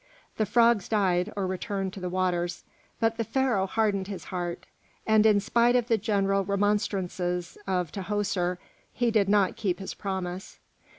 The frogs died or returned to the waters, but the Pharaoh hardened his heart, and in spite of the gentle remonstrances of Tahoser, he did not keep his promise.